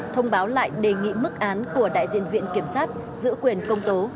thông báo lại đề nghị mức án của đại diện viện kiểm sát giữ quyền công tố